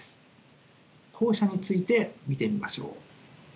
後者について見てみましょう。